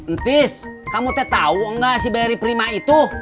ntis kamu tau gak si barry prima itu